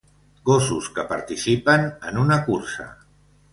Gossos que participen en una cursa.